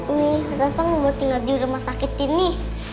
umi rafa mau tinggal di rumah sakit ini